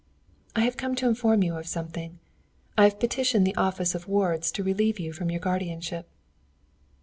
"I have come to inform you of something. I have petitioned the office of wards to relieve you from your guardianship."